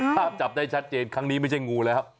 จับได้ชัดเจนครั้งนี้ไม่ใช่งูแล้ว